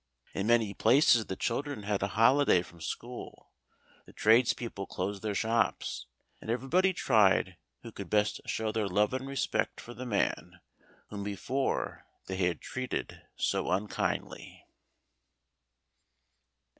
In many places the children had a holiday from school, the tradespeople closed their shops, and everybody tried who could best show their love and respect for the man whom before they had treated so unkindly.